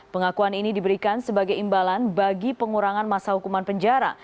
pengakuan ini diberikan sebagai imbalan bagi pengurangan masa hukuman penjara